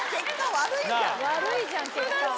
悪いじゃん結果。